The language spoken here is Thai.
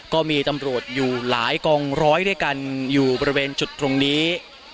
ก็มีตำรวจอยู่หลายกองร้อยด้วยกันอยู่บริเวณจุดตรงนี้